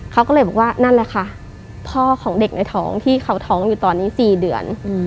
เขาก็เลยบอกว่านั่นแหละค่ะพ่อของเด็กในท้องที่เขาท้องอยู่ตอนนี้๔เดือน